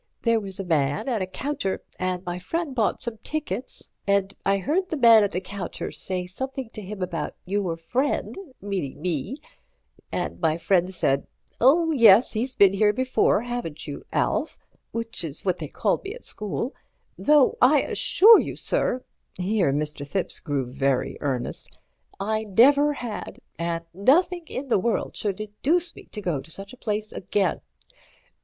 There was a man at a counter, and my friend bought some tickets, and I heard the man at the counter say something to him about 'Your friend,' meaning me, and my friend said, 'Oh, yes, he's been here before, haven't you, Alf?' (which was what they called me at school), though I assure you, sir"—here Mr. Thipps grew very earnest—"I never had, and nothing in the world should induce me to go to such a place again.